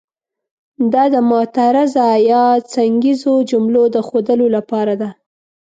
دا د معترضه یا څنګیزو جملو د ښودلو لپاره ده.